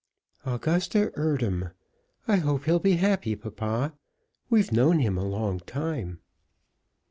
"Augusta Eardham. I hope he'll be happy, papa. We've known him a long time."